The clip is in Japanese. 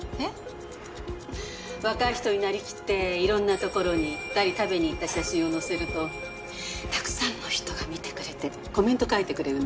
若い人になりきっていろんなところに行ったり食べに行った写真を載せるとたくさんの人が見てくれてコメント書いてくれるんですよ。